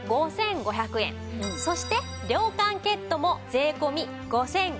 そして涼感ケットも税込５５００円。